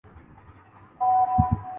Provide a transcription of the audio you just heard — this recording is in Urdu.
ہندوستان کی موریا سلطنت کا بانی تھا